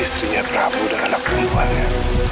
istrinya prabu dan anak perempuannya